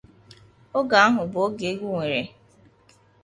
Oge ahụ bụ oge egwu nwere